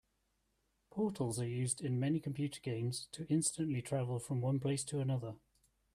Portals are used in many computer games to instantly travel from one place to another.